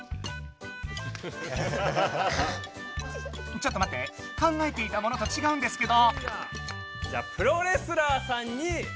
ちょっとまって考えていたものとちがうんですけど。